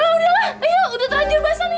tapi udahlah udahlah ayo udah terlanjur bahasa nih